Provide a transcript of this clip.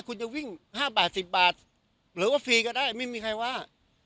คุณจะวิ่ง๕บาท๑๐บาทหรือว่าฟรีก็ได้ไม่มีใครว่า